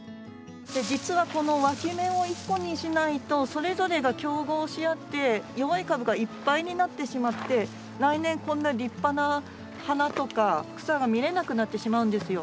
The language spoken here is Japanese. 実はこのわき芽を１個にしないとそれぞれが競合しあって弱い株がいっぱいになってしまって来年こんな立派な花とか草が見れなくなってしまうんですよ。